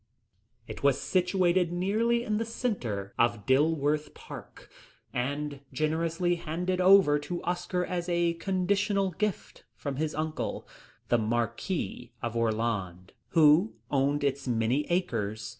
It was situated nearly in the centre of Dilworth Park, and generously handed over to Oscar as a conditional gift from his uncle, the Marquis of Orland, who owned its many acres.